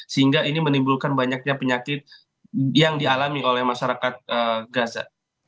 sehingga ini menimbulkan banyaknya penyakit yang dialami oleh masyarakat gaza